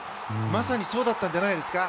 まさにそうだったんじゃないですか？